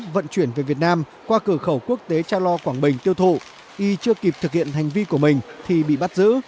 vận chuyển về việt nam qua cửa khẩu quốc tế cha lo quảng bình tiêu thụ y chưa kịp thực hiện hành vi của mình thì bị bắt giữ